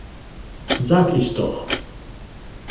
Sag ich doch!